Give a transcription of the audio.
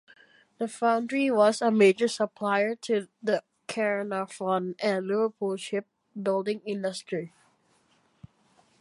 The foundry was a major supplier to the Caernarfon and Liverpool ship building industry.